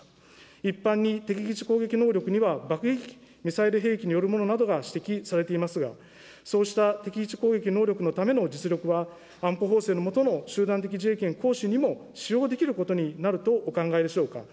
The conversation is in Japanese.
一般に敵基地攻撃能力には爆撃機、ミサイル兵器によるものなどが指摘されていますが、そうした敵基地攻撃能力のための実力は、安保法制の下の集団的自衛権行使にも使用できることになるとお考えでしょうか。